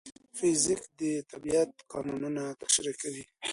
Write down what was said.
فزیک د طبیعت قانونونه تشریح کوي.